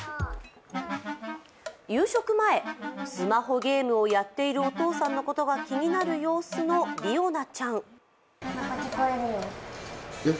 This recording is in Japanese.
夕食前、スマホゲームをやっているお父さんのことが気になる様子のりおなちゃん。